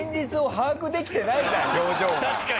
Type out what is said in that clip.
確かに。